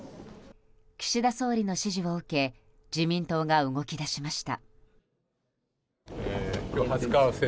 岸田総理の指示を受け自民党が動き出しました。